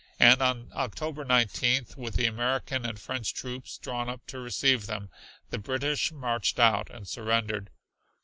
And on October Nineteenth, with the American and French troops drawn up to receive them, the British marched out and surrendered.